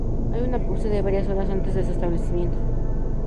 Hay una pausa de varias horas antes de su establecimiento.